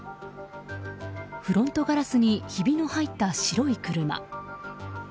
フロントガラスにひびの入った白い車。